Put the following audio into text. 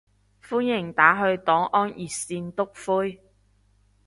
歡迎打去黨安熱線篤灰